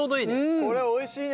これおいしいね！